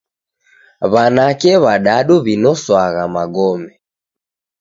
W'anake w'adadu w'inoswagha magome.